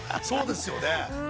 そうですよね。